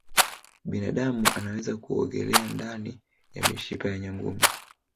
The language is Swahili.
binadamu anaweza kuogelea ndani ya mishipa ya nyangumi